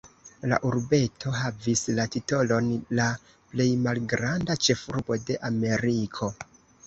La urbeto havis la titolon "la plej malgranda ĉefurbo de Ameriko".